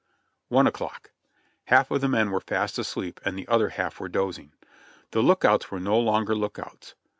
One o'clock. Half of the men were fast asleep and the other half were dozing. The lookouts were no longer lookouts.